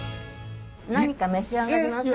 何か召し上がりません？